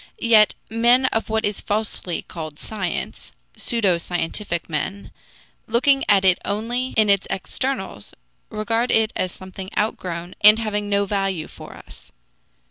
Yet men of what is falsely called science, pseudo scientific men, looking at it only in its externals, regard it as something outgrown and having no value for us.